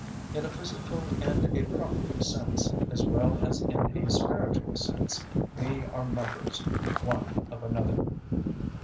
In a physical and a property sense, as well as in a spiritual sense, we are members one of another.